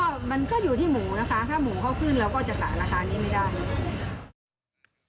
ก็มันก็อยู่ที่หมูนะคะถ้าหมูเขาขึ้นเราก็จะขายราคานี้ไม่ได้เลย